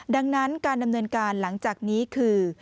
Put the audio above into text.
ดังนั้นการดำเนินการหลังจากนี้คือ